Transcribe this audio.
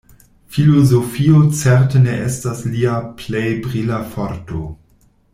Filozofio certe ne estas lia plej brila forto.